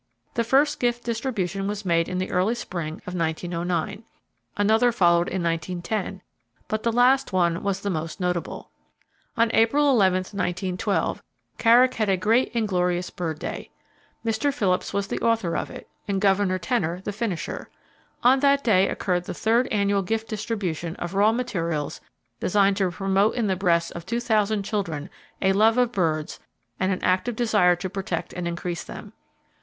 The first gift distribution was made in the early spring of 1909. Another followed in 1910, but the last one was the most notable. On April 11, 1912, Carrick had a great and glorious Bird Day. Mr. Phillips was the author of it, and Governor Tener the finisher. On that day occurred the third annual gift distribution of raw materials designed to promote in the breasts of 2,000 children a love for birds and an active desire to protect and increase them.